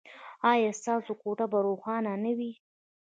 ایا ستاسو کوټه به روښانه نه وي؟